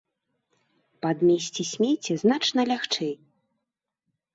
Падмесці смецце значна лягчэй.